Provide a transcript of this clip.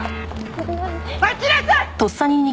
待ちなさい！